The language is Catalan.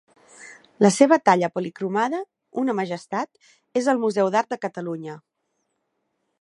La seva talla policromada, una majestat, és al Museu d'Art de Catalunya.